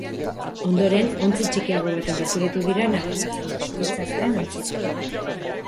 Ondoren, onzti txikiago baten gerturatu dira nabigatzaile suitzarraren ontzira.